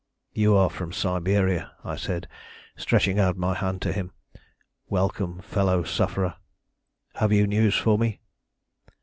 "'You are from Siberia,' I said, stretching out my hand to him. 'Welcome, fellow sufferer! Have you news for me?'